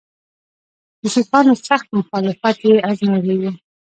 د سیکهانو سخت مخالفت یې آزمېیلی وو.